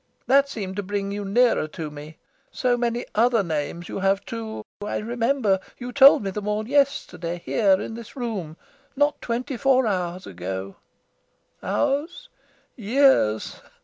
That seemed to bring you nearer to me. So many other names you have, too. I remember you told me them all yesterday, here in this room not twenty four hours ago. Hours? Years!"